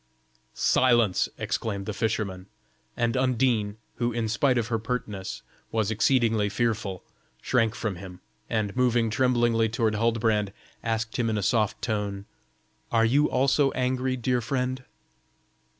"Silence!" exclaimed the fisherman, and Undine, who, in spite of her pertness, was exceedingly fearful, shrank from him, and moving tremblingly toward Huldbrand, asked him in a soft tone: "Are you also angry, dear friend?"